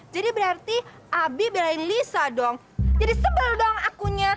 jadi berarti abi belain lisa dong jadi sebel dong akunya